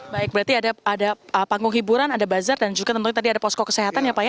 baik berarti ada panggung hiburan ada bazar dan juga tentunya tadi ada posko kesehatan ya pak ya